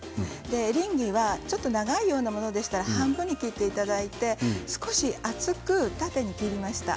エリンギはちょっと長いようなものでしたら半分に切っていただいて少し厚く縦に切りました。